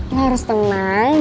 lo harus tenang